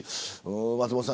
松本さん